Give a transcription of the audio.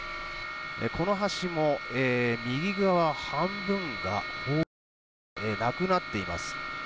この橋も右側半分が崩落してなくなっています。